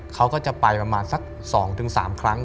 เขาก็จะไปประมาณสัก๒๓ครั้ง